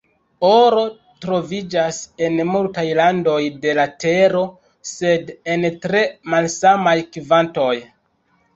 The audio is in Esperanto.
Oro troviĝas en multaj landoj de la Tero, sed en tre malsamaj kvantoj.